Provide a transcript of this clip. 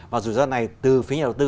và rủi ro này từ phía nhà đầu tư